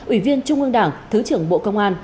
ủy viên trung ương đảng thứ trưởng bộ công an